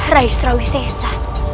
raih surawi sesa